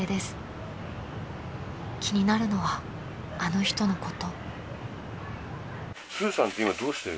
［気になるのはあの人のこと］